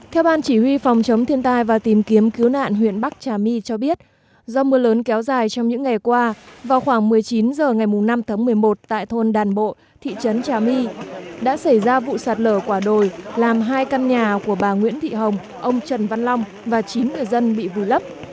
theo ban chỉ huy phòng chống thiên tai và tìm kiếm cứu nạn huyện bắc trà my cho biết do mưa lớn kéo dài trong những ngày qua vào khoảng một mươi chín h ngày năm tháng một mươi một tại thôn đàn bộ thị trấn trà my đã xảy ra vụ sạt lở quả đồi làm hai căn nhà của bà nguyễn thị hồng ông trần văn long và chín người dân bị vùi lấp